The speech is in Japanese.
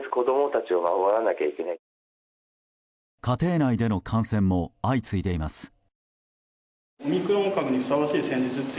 家庭内での感染も相次いでいます。